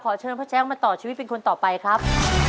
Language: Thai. เชิญพ่อแจ๊คมาต่อชีวิตเป็นคนต่อไปครับ